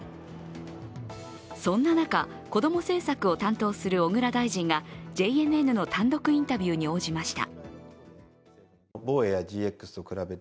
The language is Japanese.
そんな中、子ども政策を担当する小倉大臣がＪＮＮの単独インタビューに応じました。